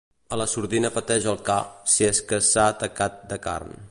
A la sordina peteja el ca, si és que s'ha atacat de carn.